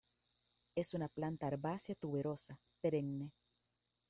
Es una planta herbácea tuberosa, perenne.